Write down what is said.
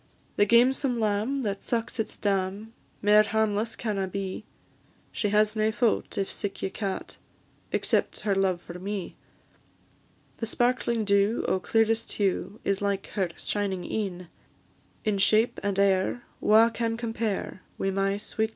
The gamesome lamb that sucks its dam, Mair harmless canna be; She has nae faut, if sic ye ca't, Except her love for me; The sparkling dew, o' clearest hue, Is like her shining een; In shape and air wha can compare, Wi' my sweet lovely Jean.